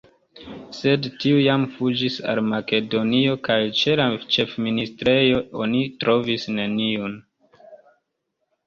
Sed tiu jam fuĝis al Makedonio kaj ĉe la ĉefministrejo oni trovis neniun.